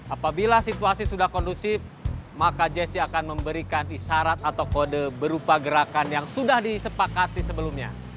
apabila situasi sudah kondusif maka jessi akan memberikan isyarat atau kode berupa gerakan yang sudah disepakati sebelumnya